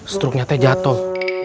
struknya teh jatoh